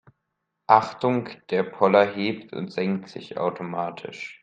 Achtung, der Poller hebt und senkt sich automatisch.